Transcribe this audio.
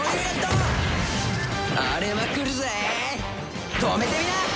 荒れまくるぜ止めてみな！